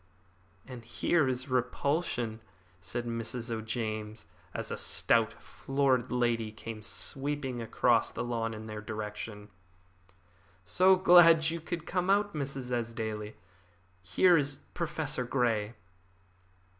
"And here is repulsion," said Mrs. O'James, as a stout, florid lady came sweeping across the lawn in their direction. "So glad you have come out, Mrs. Esdaile! Here is Professor Grey."